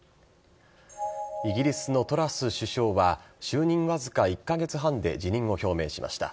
イギリスのトラス首相は就任わずか１カ月半で辞任を表明しました。